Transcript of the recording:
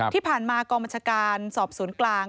ที่ผ่านมากองบัญชาการสอบสวนกลาง